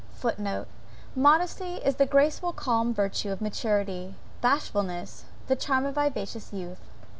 * (*Footnote. Modesty, is the graceful calm virtue of maturity; bashfulness, the charm of vivacious youth.)